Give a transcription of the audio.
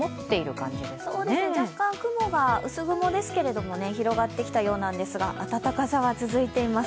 そうですね、若干、雲が薄雲ですけれども広がってきたようですが暖かさは続いています。